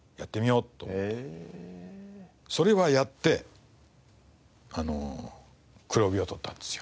それはやって黒帯を取ったんですよ。